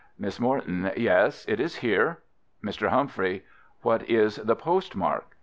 Miss Morton: Yes, it is here. Mr. Humphrey: What is the post mark?